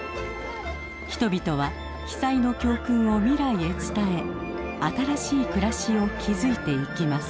人々は被災の教訓を未来へ伝え新しい暮らしを築いていきます。